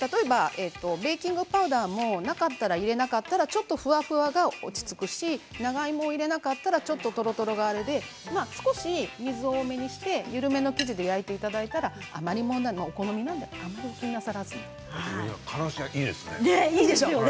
ベーキングパウダーもなかったら入れなかったらちょっとふわふわが落ち着くし長芋入れなかったらちょっととろとろがあれで水を少し多めにして緩めの生地で焼いていただいたらからしがいいですね。